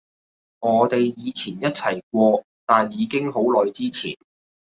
我哋以前一齊過，但已經好耐之前